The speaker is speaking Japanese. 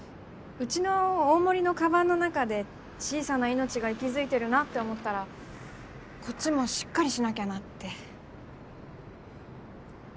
うちの大森のかばんの中で小さな命が息づいてるなって思ったらこっちもしっかりしなきゃなって。